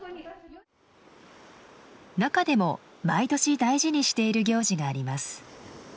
中でも毎年大事にしている行事があります。